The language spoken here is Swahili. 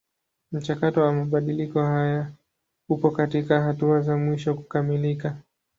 Mchakato wa mabadiliko haya upo katika hatua za mwisho kukamilika.